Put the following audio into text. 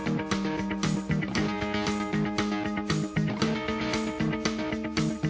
น้ำจีนเนี่ย๓น้ำยาอยู่ข้างหน้าเลยมี